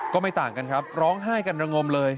ก็ไม่ต่างกันครับร้องไห้กันระงมเลย